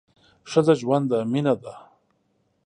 ښځه ژوند ده ، مینه ده